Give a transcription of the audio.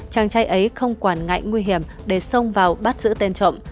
chàng trai ấy không quản ngại nguy hiểm để xông vào bắt giữ tên trộm